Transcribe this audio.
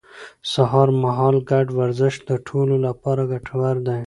سهار مهال ګډ ورزش د ټولو لپاره ګټور دی